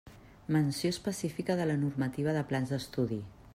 Menció específica de la normativa de plans d'estudi.